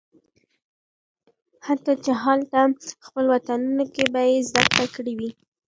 حتی چې هالته خپل وطنونو کې به یې زده کړې وي